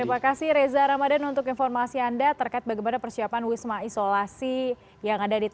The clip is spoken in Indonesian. terima kasih reza ramadhan untuk informasi anda terkait bagaimana persiapan wisma isolasi